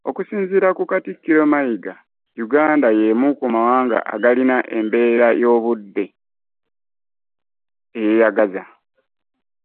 Okusinziira ku katikkiro Mayiga, Uganda y'emu ku mawanga agalina embeera y'obudde eyeeyagaza.